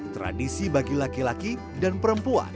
tradisi bagi laki laki dan perempuan